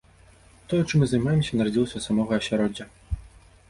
Тое, чым мы займаемся, нарадзілася з самога асяроддзя.